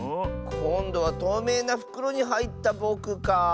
こんどはとうめいなふくろにはいったぼくかあ。